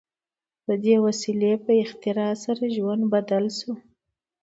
د دې وسیلې په اختراع سره ژوند بدل شو.